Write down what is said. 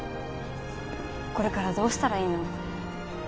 これからどうしたらいいの？